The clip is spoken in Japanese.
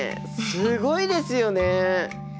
すごいですよね！